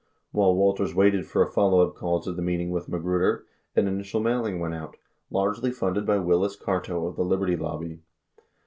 71 While Walters waited for a followup call to the meeting with Ma gruder, an initial mailing went out, largely funded by Willis Carto of the Liberty Lobby.